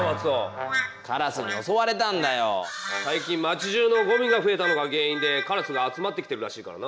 最近町じゅうのゴミが増えたのが原因でカラスが集まってきてるらしいからな。